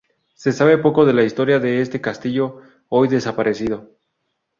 Se sabe poco de la historia de este castillo, hoy desaparecido.